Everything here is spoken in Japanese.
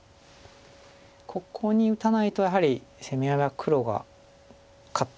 ここに打たないとやはり攻め合いは黒が勝っていたんです。